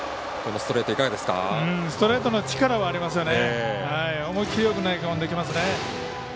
ストレートの力はありますよね。